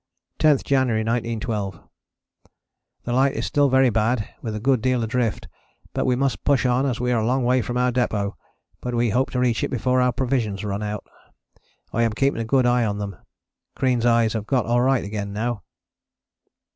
10th January 1912. The light is still very bad, with a good deal of drift, but we must push on as we are a long way from our depôt, but we hope to reach it before our provisions run out. I am keeping a good eye on them. Crean's eyes have got alright again now.